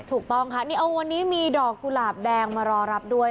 ถูกต้องค่ะนี่เอาวันนี้มีดอกกุหลาบแดงมารอรับด้วย